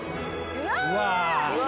うわ！